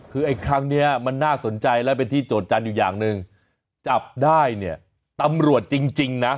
คือไอ้ครั้งนี้มันน่าสนใจและเป็นที่โจทยจันทร์อยู่อย่างหนึ่งจับได้เนี่ยตำรวจจริงนะ